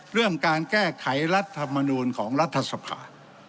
เรื่องการแก้ไขรัฐมนูลของรัฐสภา